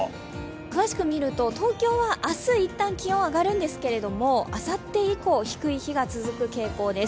詳しく見ると、東京は明日一旦気温上がるんですけどあさって以降、低い日が続く傾向です。